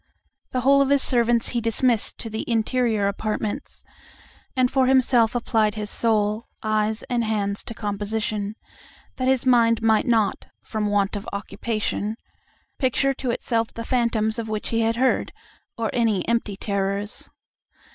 The whole of his servants he dismissed to the interior apartments, and for himself applied his soul, eyes, and hand to composition, that his mind might not, from want of occupation, picture to itself the phantoms of which he had heard, or any empty terrors.